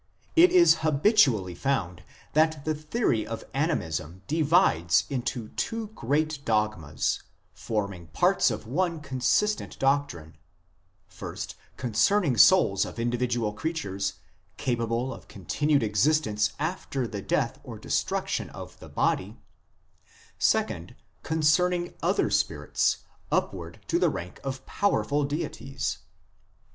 "It is habitually found," says Tylor, " that the theory of Animism divides 47 48 IMMORTALITY AND THE UNSEEN WORLD into two great dogmas, forming parts of one consistent doctrine ; first, concerning souls of individual creatures, capable of continued existence after the death or destruction of the body ; second, concerning other spirits, upward to the rank of powerful deities."